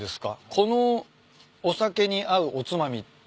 このお酒に合うおつまみって。